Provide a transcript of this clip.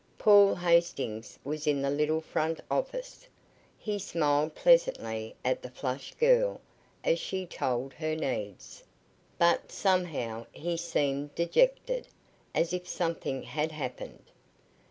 Paul Hastings was in the little front office. He smiled pleasantly at the flushed girl as she told her needs, but somehow he seemed dejected as if something had happened.